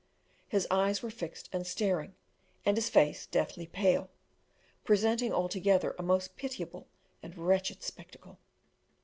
His eyes were fixed and staring, and his face deadly pale, presenting altogether a most pitiable and wretched spectacle.